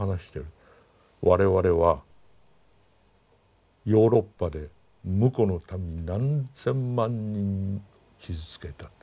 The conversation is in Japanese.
我々はヨーロッパでむこの民何千万人傷つけたと。